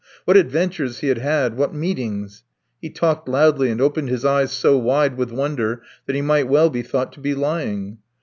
What adventures he had had, what meetings! He talked loudly and opened his eyes so wide with wonder that he might well be thought to be lying.